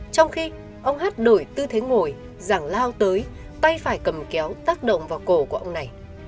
trong khi ông hát đổi tư thế ngồi giảng lao tới tay phải cầm kéo tác động vào cổ của ông này